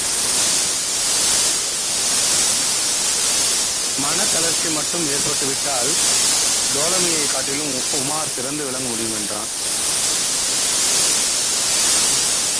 மனத் தளர்ச்சி மட்டும் ஏற்படாவிட்டால், டோலமியைக் காட்டிலும் உமார் சிறந்து விளங்க முடியும்! என்றான்.